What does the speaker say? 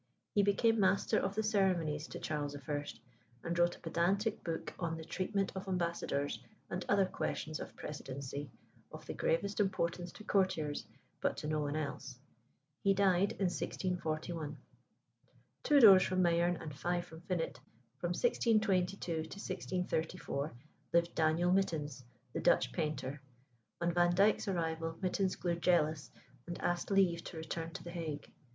He became Master of the Ceremonies to Charles I., and wrote a pedantic book on the treatment of ambassadors, and other questions of precedency, of the gravest importance to courtiers, but to no one else. He died in 1641. Two doors from Mayerne and five from Finett, from 1622 to 1634, lived Daniel Mytens, the Dutch painter. On Vandyke's arrival Mytens grew jealous and asked leave to return to the Hague.